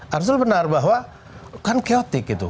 harus benar bahwa kan chaotic gitu